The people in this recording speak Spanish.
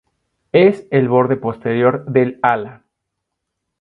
Es el borde posterior del ala.